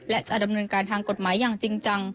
และจะดำเนินการทางกฎหมายอย่างจริงจัง